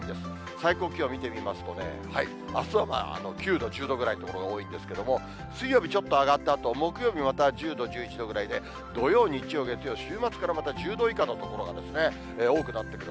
最高気温見てみますとね、あすは９度、１０度ぐらいの所が多いんですけれども、水曜日ちょっと上がったあと、木曜日、また１０度、１１度ぐらいで、土曜、日曜、月曜、週末ぐらいからはまた１０度以下の所が多くなってくる。